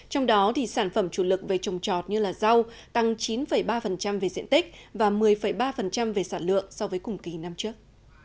trong đó sản phẩm chủ lực về trồng trọt như rau tăng chín ba về diện tích và một mươi ba về sản lượng so với cùng kỳ năm trước